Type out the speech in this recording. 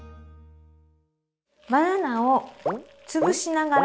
バナナを潰しながら。